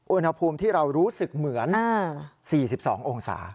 อุณหภูมิที่เรารู้สึกเหมือน๔๒องศา